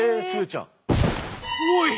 おい！